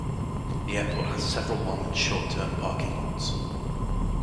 The airport has several long and short term parking lots.